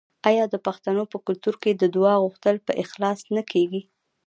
آیا د پښتنو په کلتور کې د دعا غوښتل په اخلاص نه کیږي؟